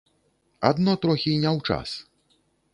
Адно трохі не ў час.